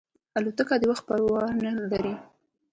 الوتکه د وخت پروا نه لري.